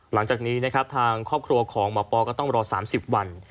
หลังจากนี้นะครับทางครอบครัวของหมอปอก็ต้องรอ๓๐วัน